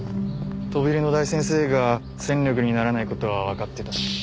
飛び入りの大先生が戦力にならない事はわかってたし。